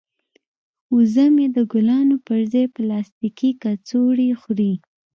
وزه مې د ګلانو پر ځای پلاستیکي کڅوړې خوري.